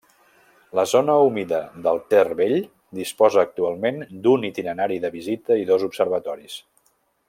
La zona humida del Ter vell disposa actualment d'un itinerari de visita i dos observatoris.